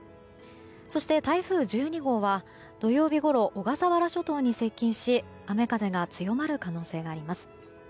そして、台風１２号は土曜日ごろ、小笠原諸島に接近し雨風が強まる可能性があります。